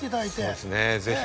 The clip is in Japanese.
そうですねぜひ。